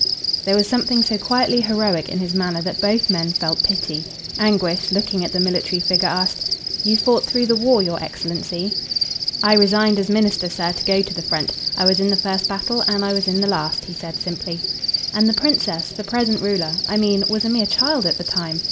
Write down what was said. There was something so quietly heroic in his manner that both men felt pity. Anguish, looking at the military figure, asked: "You fought through the war, your excellency?" "I resigned as minister, sir, to go to the front. I was in the first battle and I was in the last," he said, simply. "And the Princess, the present ruler, I mean, was a mere child at that time.